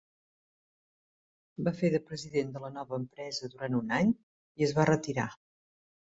Va fer de president de la nova empresa durant un any, i es va retirar.